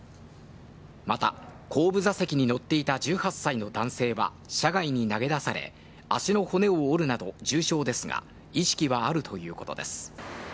また、後部座席に乗っていた１８歳の男性は車外に投げ出され、足の骨を折るなど重傷ですが、意識はあるということです。